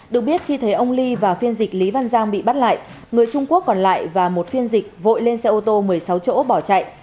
được biết khi thấy ông ly và phiên dịch lý văn giang bị bắt lại người trung quốc còn lại và một phiên dịch vội lên xe ô tô một mươi sáu chỗ bỏ chạy